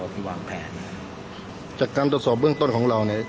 ที่วางแผนนะครับจากการตรวจสอบเบื้องต้นของเราเนี่ย